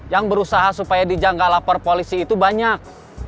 yang berusaha supaya dija nggak lapor polisi itu banyak